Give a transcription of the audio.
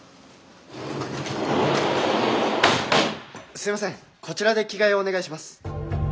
すいませんこちらで着替えをお願いします。